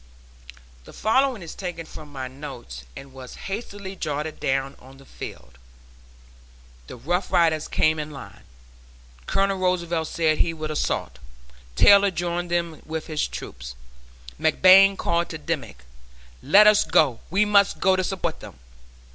The following is taken from my notes and was hastily jotted down on the field: "The Rough Riders came in line Colonel Roosevelt said he would assault Taylor joined them with his troop McBlain called to Dimmick, 'let us go, we must go to support them.'